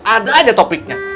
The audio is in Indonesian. ada aja topiknya